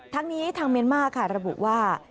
ทั้งนี้ทางเมียนมาร์ค่ะระบุว่า